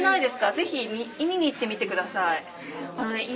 ぜひ見に行ってみてください。